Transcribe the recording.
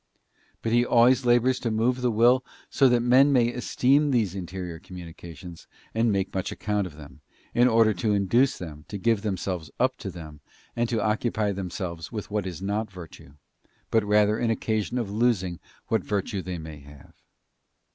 But he always labours to move the will so || FORMAL INTERIOR WORDS. 195 that men shall esteem these interior communications, and make much account of them, in order to induce them to give themselves up to them, and accupy themselves with what is not virtue, but rather an occasion of losing what virtue they may have.